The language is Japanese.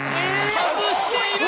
外している！